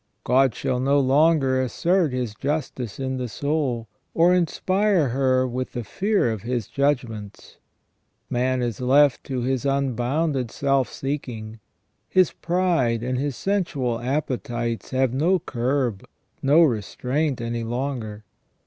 God shall no longer assert His justice in the soul, or inspire her with the fear of His judgments. Man is left to his unbounded self seeking ; his pride and his sensual appetites have no curb, no restraint any lor^ger.